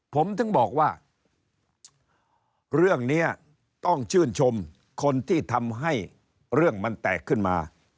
ผมถึงบอกว่าเรื่องนี้ต้องชื่นชมคนที่ทำให้เรื่องมันแตกขึ้นมา